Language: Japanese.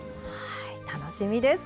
はい楽しみです。